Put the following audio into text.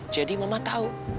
jadi mama tahu